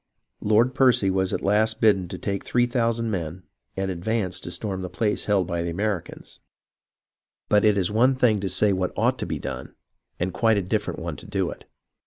Lord Percy was at last bidden to take three thousand men and advance to storm the place held by the Americans; but it is one thing to say what ought to be done, and quite a different one to do it.